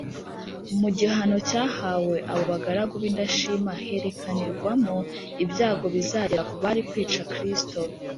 mu gihano cyahawe abo bagaragu b’indashima herekanirwamo ibyago bizagera ku bari kwica kristo